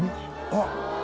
あっ